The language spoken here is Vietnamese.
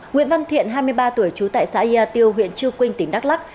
nguyễn văn thiện hai mươi ba tuổi trú tại xã yà tiêu huyện chư quynh tỉnh đắk lắc